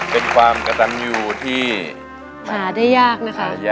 เป็นความกระตันอยู่ที่หาได้ยากนะคะ